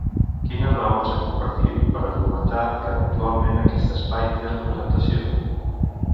Quines raons ha compartit per argumentar que actualment aquest espai té representació?